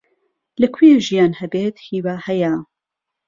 لەکوێ ژیان هەبێت، هیوا هەیە.